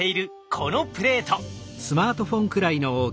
このプレート。